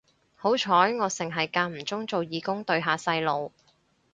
好彩我剩係間唔中做義工對下細路